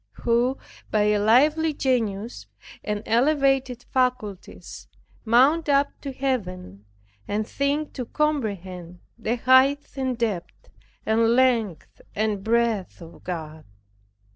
Who by a lively genius and elevated faculties mount up to Heaven, and think to comprehend the height and depth and length and breadth of God.